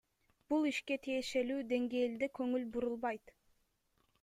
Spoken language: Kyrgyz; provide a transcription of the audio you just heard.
Бул ишке тиешелуу денгээлде конул бурулбайт.